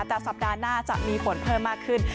แต่สัปดาห์หน้าจะมีฝนเพิ่มมากขึ้น